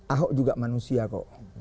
ahok juga manusia kok